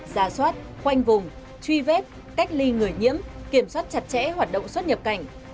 giả soát khoanh vùng truy vết cách ly người nhiễm kiểm soát chặt chẽ hoạt động xuất nhập cảnh